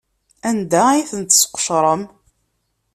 Anda ay tent-tesqecrem?